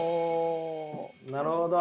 なるほど。